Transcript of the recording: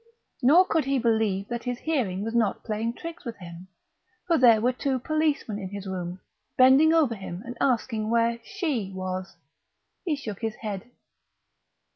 Nor could he believe that his hearing was not playing tricks with him, for there were two policemen in his room, bending over him and asking where "she" was. He shook his head.